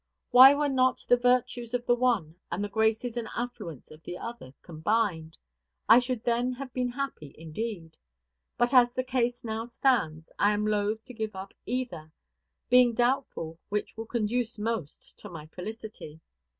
Why were not the virtues of the one and the graces and affluence of the other combined? I should then have been happy indeed. But, as the case now stands, I am loath to give up either; being doubtful which will conduce most to my felicity.